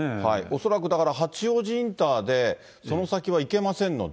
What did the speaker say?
恐らくだから、八王子インターでその先は行けませんので。